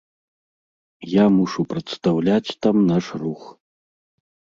Я мушу прадстаўляць там наш рух!